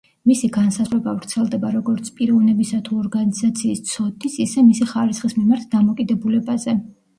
მისი განსაზღვრება ვრცელდება როგორც პიროვნებისა თუ ორგანიზაციის ცოდნის ისე მისი ხარისხის მიმართ დამოკიდებულებაზე.